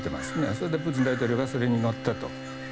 そして、プーチン大統領がそれにのってと。